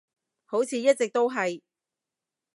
好似一直都係